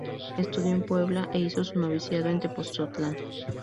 Estudió en Puebla e hizo su noviciado en Tepotzotlán.